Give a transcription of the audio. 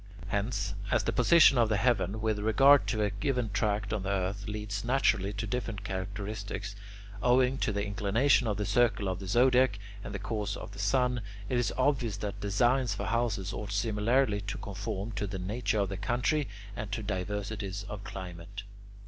Hence, as the position of the heaven with regard to a given tract on the earth leads naturally to different characteristics, owing to the inclination of the circle of the zodiac and the course of the sun, it is obvious that designs for houses ought similarly to conform to the nature of the country and to diversities of climate.